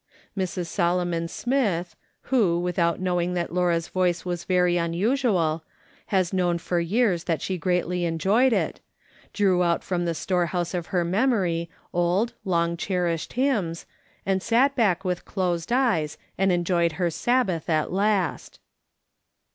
Mrs. Solomon Smith, who, without knov/iug that Laura's voice was very unusual, has known for years that she greatly enjoyed it, drew out from the store house of her memory old, long cherished hymns, and sat back with closed eyes and enjoyed her Sabbath at last.